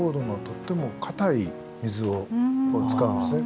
とっても硬い水を使うんですね。